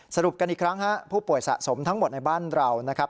สรุปกันอีกครั้งฮะผู้ป่วยสะสมทั้งหมดในบ้านเรานะครับ